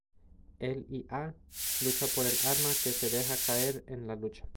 Él y "A" lucha por el arma, que se deja caer en la lucha.